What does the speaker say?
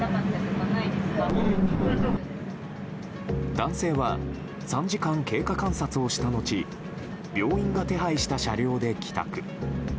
男性は３時間経過観察をした後病院が手配した車両で帰宅。